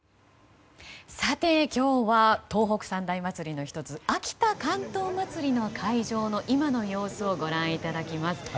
今日は東北三大祭りの１つ秋田竿燈まつりの会場の今の様子をご覧いただきます。